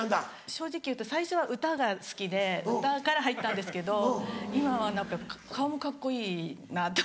正直言うと最初は歌が好きで歌から入ったんですけど今は顔もカッコいいなと。